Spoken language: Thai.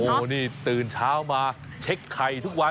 โอ้โหนี่ตื่นเช้ามาเช็คไข่ทุกวัน